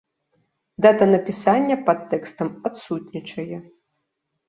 Дата напісання пад тэкстам адсутнічае.